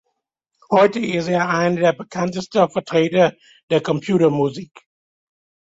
Heute ist er einer der bekanntesten Vertreter der Computermusik.